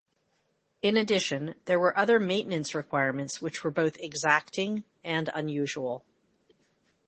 In addition there were other maintenance requirements which were both exacting and unusual.